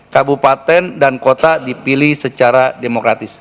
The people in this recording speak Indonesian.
kabupaten dan kota dipilih secara demokratis